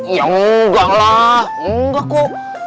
ya enggak lah enggak kok